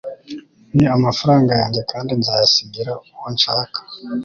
Ni amafaranga yanjye kandi nzayasigira uwo nshaka